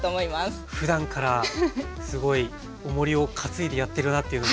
ふだんからすごいおもりを担いでやってるなっていうのが。